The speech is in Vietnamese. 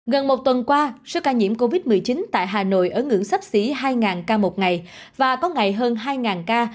gần một tuần qua số ca nhiễm covid một mươi chín tại hà nội ở ngưỡng sắp xỉ hai ca một ngày và có ngày hơn hai ca